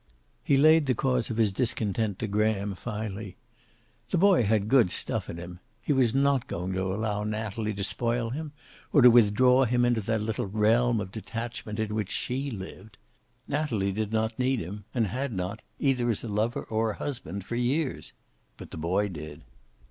He laid the cause of his discontent to Graham, finally. The boy had good stuff in him. He was not going to allow Natalie to spoil him, or to withdraw him into that little realm of detachment in which she lived. Natalie did not need him, and had not, either as a lover or a husband, for years. But the boy did.